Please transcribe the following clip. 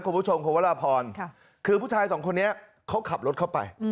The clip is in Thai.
คุณผู้ชมคุณวราพรคือผู้ชายสองคนนี้เขาขับรถเข้าไป